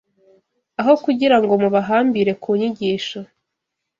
Aho kugira ngo mubahāmbīre ku nyigisho